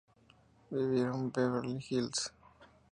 Vivieron en Beverly Hills.